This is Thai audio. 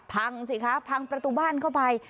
พังสิครับพังประตูบ้านเข้าไป